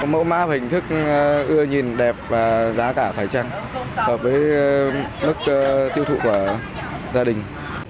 mẫu mã và hình thức ưa nhìn đẹp và giá cả phải chăng hợp với mức tiêu thụ của gia đình